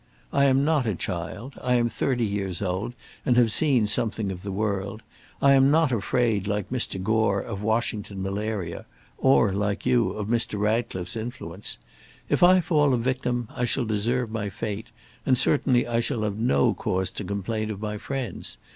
I am not a child. I am thirty years old, and have seen something of the world. I am not afraid, like Mr. Gore, of Washington malaria, or, like you, of Mr. Ratcliffe's influence. If I fall a victim I shall deserve my fate, and certainly I shall have no cause to complain of my friends.